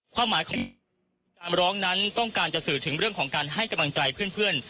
ความหมายของการร้องนั้นต้องการจะสื่อถึงเรื่องของการให้กำลังใจเพื่อน